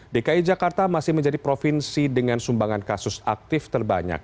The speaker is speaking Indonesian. dki jakarta masih menjadi provinsi dengan sumbangan kasus aktif terbanyak